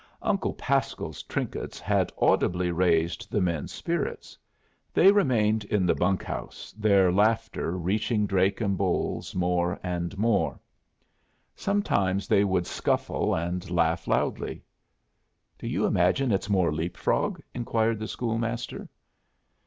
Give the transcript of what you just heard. Uncle Pasco's trinkets had audibly raised the men's spirits. They remained in the bunkhouse, their laughter reaching Drake and Bolles more and more. Sometimes they would scuffle and laugh loudly. "Do you imagine it's more leap frog?" inquired the school master.